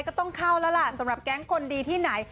ก็ต้องเข้าแล้วล่ะสำหรับแก๊งคนดีที่ไหน